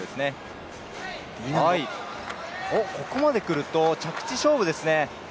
ここまでくると、着地勝負ですね。